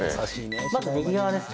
まず右側です。